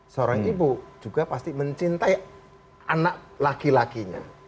seorang ibu juga pasti mencintai anak laki lakinya